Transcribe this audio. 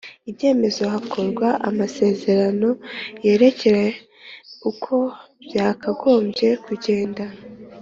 ibyemezo hakorwa amasezerano yerekeye uko byakagombye kugenda